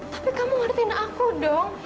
tapi kamu ngertiin aku dong